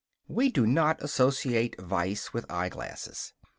We do not associate vice with eyeglasses.